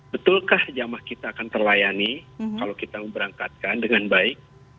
betulkah jamah kita akan terlayani kalau kita memberangkatkan dengan baik